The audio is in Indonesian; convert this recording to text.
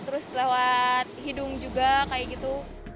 terus lewat hidung juga kayak gitu